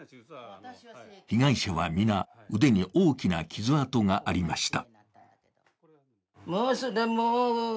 被害者は皆、腕に大きな傷跡がありました。